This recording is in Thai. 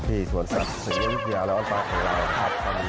ที่ส่วนศักดิ์เสียงเทียร์แล้วอันตราของเราครับ